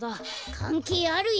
かんけいあるよ。